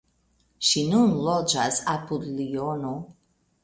Ŝi nun loĝas apud Liono.